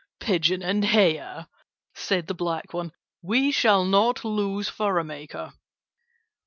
"Pigeon and Hare!" said the black one. "We shall not lose furrow maker."